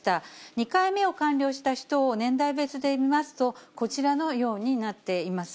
２回目を完了した人を年代別で見ますと、こちらのようになっています。